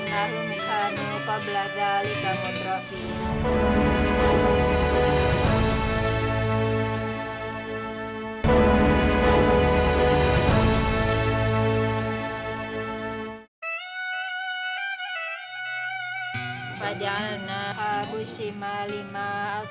jaya keragam bahasa di reactors itu miten